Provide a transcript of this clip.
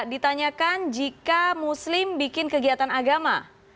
ditanyakan jika muslim bikin kegiatan agama